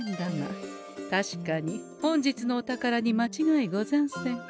確かに本日のお宝にまちがいござんせん。